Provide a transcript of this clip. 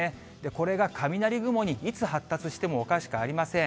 これが雷雲にいつ発達してもおかしくありません。